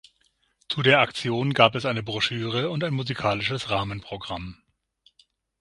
Zu der Aktion gab es eine Broschüre und ein musikalisches Rahmenprogramm.